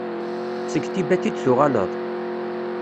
Seg Tibet i d-tuɣaleḍ?